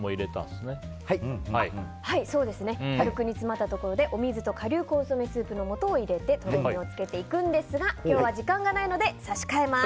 よく煮詰まったところでお水と顆粒のコンソメスープの素を入れてとろみをつけていくんですが今日は時間がないので差し替えます。